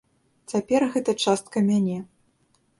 Цяпер гэта частка мяне.